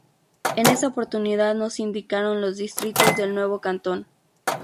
En esa oportunidad no se indicaron los distritos del nuevo cantón.